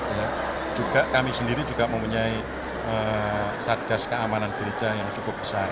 ya juga kami sendiri juga mempunyai satgas keamanan gereja yang cukup besar